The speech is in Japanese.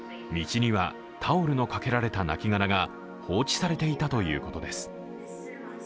道にはタオルのかけられた、なきがらが放置されていたということです。